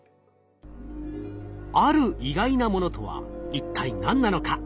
ある意外なものとは一体何なのか？